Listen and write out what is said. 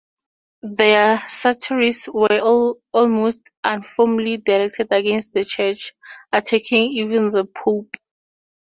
Their satires were almost uniformly directed against the church, attacking even the pope.